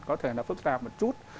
có thể là phức tạp một chút